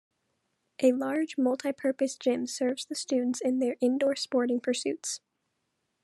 A large multi-purpose gym serves the students in their indoor sporting pursuits.